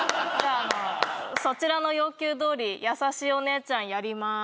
あのそちらの要求どおり優しいお姉ちゃんやります